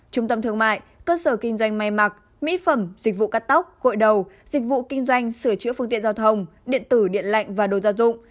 trung tâm thương mại cơ sở kinh doanh may mặc mỹ phẩm dịch vụ cắt tóc gội đầu dịch vụ kinh doanh sửa chữa phương tiện giao thông điện tử điện lạnh và đồ gia dụng